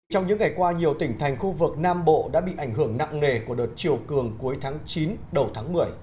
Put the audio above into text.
trong những ngày qua nhiều tỉnh thành khu vực nam bộ đã bị ảnh hưởng nặng nề của đợt chiều cường cuối tháng chín đầu tháng một mươi